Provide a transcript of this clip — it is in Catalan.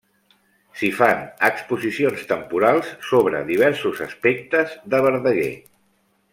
S'hi fan exposicions temporals sobre diversos aspectes de Verdaguer.